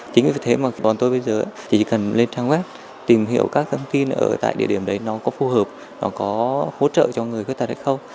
chính vì thế mà bọn tôi bây giờ chỉ cần lên trang web tìm hiểu các thông tin ở tại địa điểm đấy nó có phù hợp nó có hỗ trợ cho người khuyết tật hay không